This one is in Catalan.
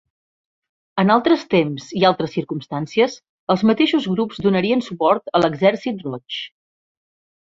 En altres temps i altres circumstàncies, els mateixos grups donarien suport a l'Exèrcit Roig.